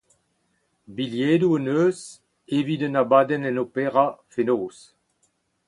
Bilhedoù hon eus evit un abadenn en opera fenoz.